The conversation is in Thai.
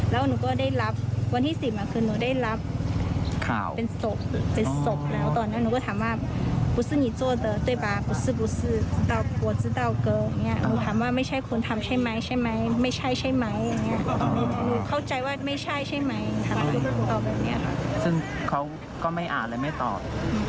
และฉันอาจไม่ด้าพึ่งแล้วก็ไม่ตอบ